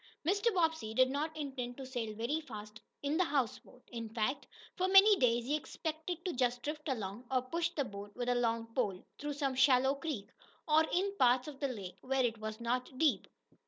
Mr. Bobbsey did not intend to sail very fast in the houseboat. In fact, for many days, he expected to just drift along, or push the boat with a long pole through some shallow creek, or in parts of the lake where it was not deep.